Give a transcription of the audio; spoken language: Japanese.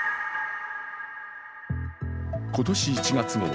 今年１月ごろ